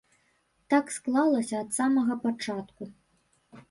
Так склалася ад самага пачатку.